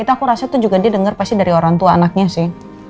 itu aku rasanya tuh dia juga denger pasti dari orang tua anaknya sih